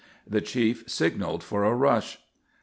The chief signaled for a rush.